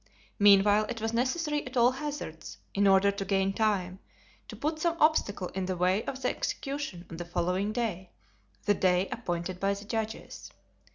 Meanwhile, it was necessary at all hazards, in order to gain time, to put some obstacle in the way of the execution on the following day—the day appointed by the judges.